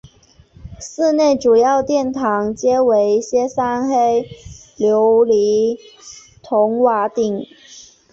寺内主要殿堂皆为歇山黑琉璃筒瓦顶。